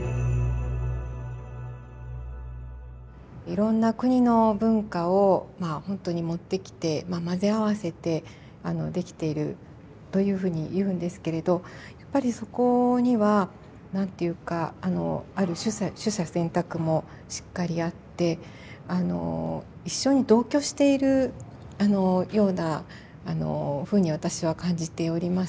いろんな国の文化をまあほんとに持ってきて混ぜ合わせてできているというふうに言うんですけれどやっぱりそこには何て言うかある取捨選択もしっかりやってあの一緒に同居しているあのようなあのふうに私は感じております。